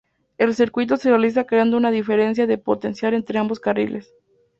El circuito se realiza creando una diferencia de potencial entre ambos carriles.